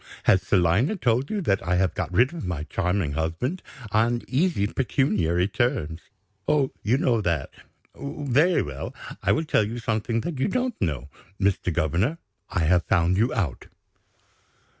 Has Selina told you that I have got rid of my charming husband, on easy pecuniary terms? Oh, you know that? Very well. I will tell you something that you don't know. Mr. Governor, I have found you out."